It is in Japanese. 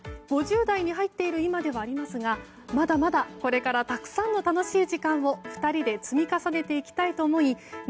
５０代に入っている今ではありますがまだまだこれからたくさんの楽しい時間を２人で積み重ねていきたいと思い